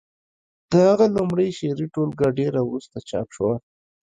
د هغه لومړۍ شعري ټولګه ډېره وروسته چاپ شوه